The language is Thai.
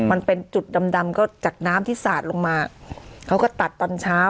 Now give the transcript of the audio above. มันเป็นจุดดำดำก็จากน้ำที่สาดลงมาเขาก็ตัดตอนเช้า